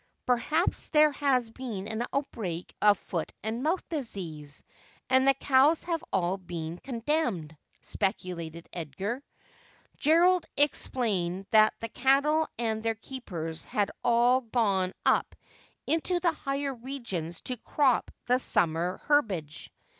'' Perhaps there has been an outbreak of foot and mouth disease, and the cows have all been condemned,' speculated Edgar. Gerald explained that the cattle and their keepers had all gone up into the higher regions to crop the summer herbage.